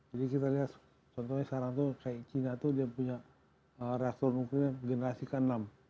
jadi kita lihat contohnya sekarang tuh kayak china tuh dia punya reaktor nuklir yang bergenerasi kan enam